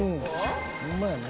ホンマやね。